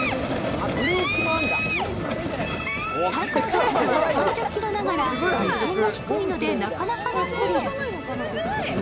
最高時速は３０キロながら目線が低いのでなかなかのスリル。